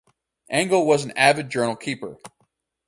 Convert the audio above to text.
Engel was an avid journal keeper.